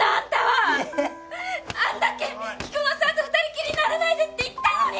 イッテあんだけ菊乃さんと二人きりにならないでって言ったのに！